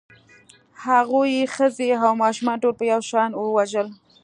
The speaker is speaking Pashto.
هغوی ښځې او ماشومان ټول په یو شان وژل